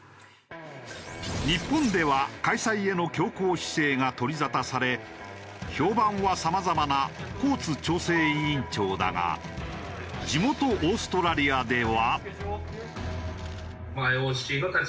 日本では開催への強硬姿勢が取り沙汰され評判はさまざまなコーツ調整委員長だが地元オーストラリアでは。